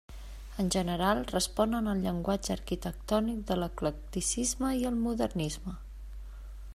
En general responen al llenguatge arquitectònic de l'eclecticisme i el modernisme.